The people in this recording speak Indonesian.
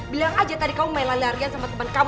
bilang aja tadi kamu main larian sama temen kamu